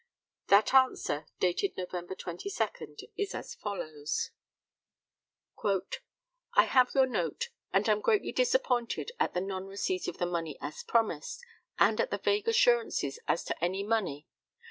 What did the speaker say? That answer, dated November 22, is as follows: "I have your note, and am greatly disappointed at the non receipt of the money as promised, and at the vague assurances as to any money.